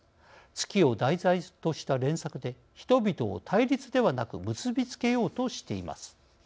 月を題材とした連作で人々を対立ではなく結び付けようとしています。